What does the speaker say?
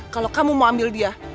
kalau kamu mau ambil dia